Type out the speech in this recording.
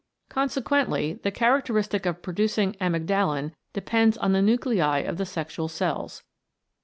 Consequently the characteristic of producing amygdalin depends on the nuclei of the sexual cells.